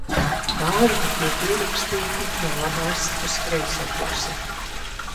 Vārdi tiek rakstīti no labās uz kreiso pusi.